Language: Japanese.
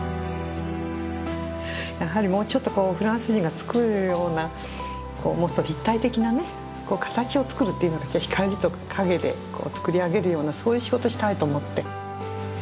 やはりもうちょっとフランス人が作るようなもっと立体的なね形を作るっていうのか光と影で作り上げるようなそういう仕事したいと思って。